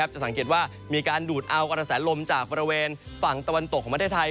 จะสังเกตว่ามีการดูดเอากระแสลมจากบริเวณฝั่งตะวันตกของประเทศไทย